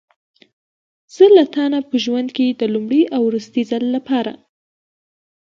زه له تا نه په ژوند کې د لومړي او وروستي ځل لپاره.